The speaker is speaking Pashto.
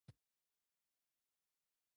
زه د شګو د غره په سر ناست یم.